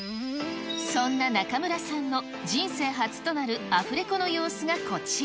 そんな中村さんの、人生初となるアフレコの様子がこちら。